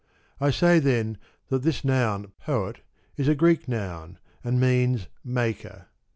I say then that this noun * Poet* is a Greek noun, and means * Maker.'